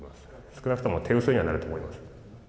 少なくとも手薄にはなると思います。